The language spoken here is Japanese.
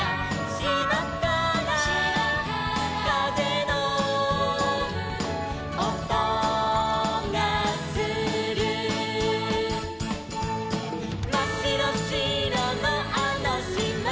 「しまからかぜのおとがする」「まっしろしろのあのしまで」